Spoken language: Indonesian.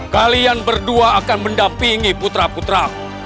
kalian berdua akan mendampingi putra putra